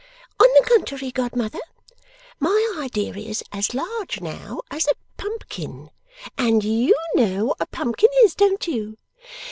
'On the contrary, godmother; my idea is as large now as a pumpkin and YOU know what a pumpkin is, don't you?